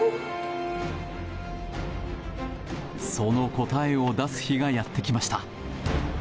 その答えを出す日がやってきました。